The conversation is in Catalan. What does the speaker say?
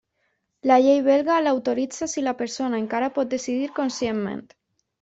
La llei belga l'autoritza si la persona encara pot decidir conscientment.